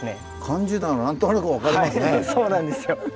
漢字なら何となく分かりますね。